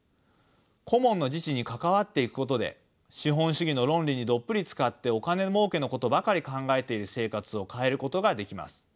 コモンの自治に関わっていくことで資本主義の論理にどっぷりつかってお金もうけのことばかり考えている生活を変えることができます。